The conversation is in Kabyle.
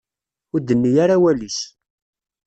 Ur d-tenni ara awal-is.